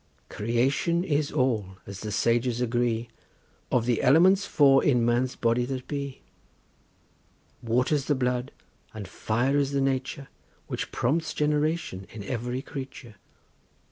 Creation is all, as the sages agree, Of the elements four in man's body that be; Water's the blood, and fire is the nature Which prompts generation in every creature.